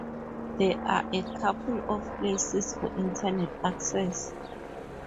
There are a couple of places for internet access.